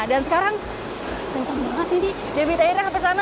dan sekarang kenceng banget ini debit airnya sampai sana